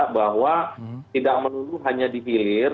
bahwa tidak menurut hanya dihilir